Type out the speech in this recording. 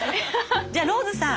じゃあローズさん。